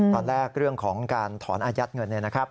ตอนแรกเรื่องของการถอนอายัดเงินเนี่ยนะครับ